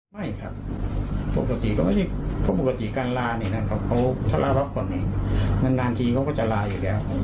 ไม่ครับปกติการลานี่นะครับเขาถ้าลาพักก่อนนี่นานทีเขาก็จะลาอยู่แล้ว